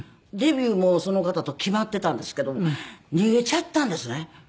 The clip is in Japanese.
デビューもその方と決まってたんですけど逃げちゃったんですね。